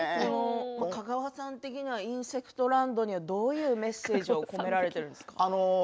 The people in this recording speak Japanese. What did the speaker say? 香川さん的には「インセクトランド」にはどういうメッセージを込められてるんですか？